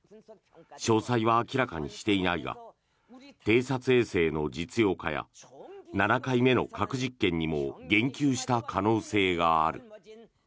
詳細は明らかにしていないが偵察衛星の実用化や７回目の核実験にも言及した可能性がある。